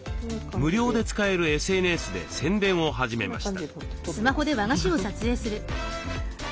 無料で使えるＳＮＳで宣伝を始めました。